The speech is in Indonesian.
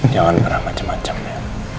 jangan pernah macem macem ya